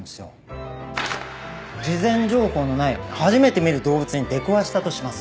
事前情報のない初めて見る動物に出くわしたとします。